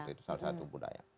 itu salah satu budaya